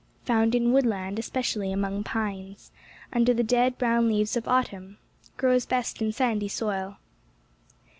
Found in woodland, especially among pines, under the dead brown leaves of autiman — grows best in sandy soil.